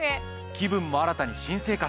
気分も新たに新生活。